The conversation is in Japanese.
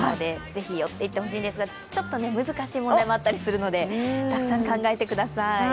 ぜひ寄っていっていただきたいんですが難しい問題もあったりするので、ぜひ考えてください。